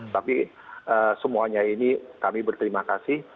tapi semuanya ini kami berterima kasih